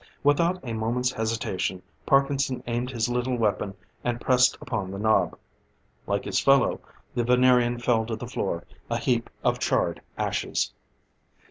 Without a moment's hesitation, Parkinson aimed his little weapon, and pressed upon the knob. Like his fellow, the Venerian fell to the floor, a heap of charred ashes.